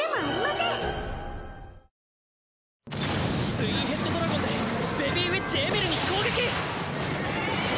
ツインヘッドドラゴンでベビーウィッチ・エミルに攻撃！